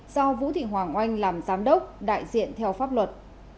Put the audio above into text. do vũ thị hoàng oanh làm giám đốc đại diện theo pháp luật